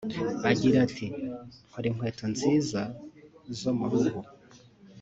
Agira ati “Nkora inkweto nziza zo mu ruhu